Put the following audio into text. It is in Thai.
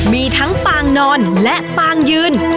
มีทั้งปางนอนและปางยืน